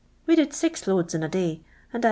\Vi' did six load. in a day. and I i.'"